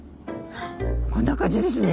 こんな感じですね。